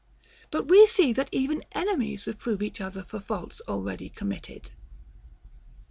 But we see that even enemies reprove each other for faults already committed.